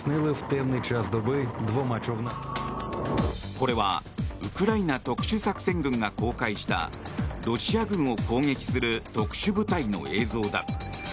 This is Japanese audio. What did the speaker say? これはウクライナ特殊作戦軍が公開したロシア軍を攻撃する特殊部隊の映像だ。